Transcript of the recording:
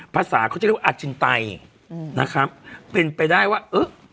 ภาษาเขาจะเรียกว่าอาจินไตอืมนะครับเป็นไปได้ว่าเออ